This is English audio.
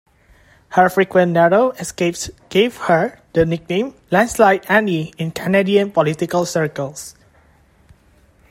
Her frequent narrow escapes gave her the nickname "Landslide Annie" in Canadian political circles.